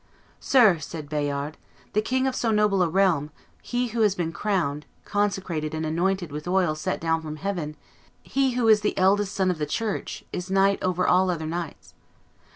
'Sir,' said Bayard, 'the king of so noble a realm, he who has been crowned, consecrated and anointed with oil sent down from heaven, he who is the eldest son of the church, is knight over all other knights.